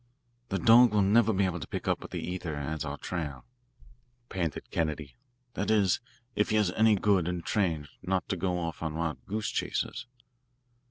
"The dog will never be able to pick up the ether as our trail," panted Kennedy; "that is, if he is any good and trained not to go off on wild goose chases."